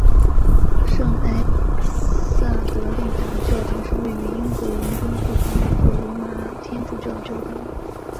圣埃塞德丽达教堂是位于英国伦敦霍本的一座罗马天主教的教堂。